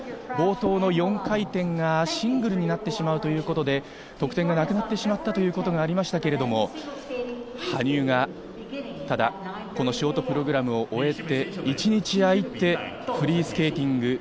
冒頭４回転がシングルになってしまうということで得点がなくなってしまったということがありましたけれども、羽生がショートプログラムを終えて、一日あいてフリースケーティング。